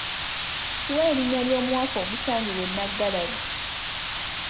Tuwe erinnya ly’omuwafu ogusangibwa e Nnaggalabi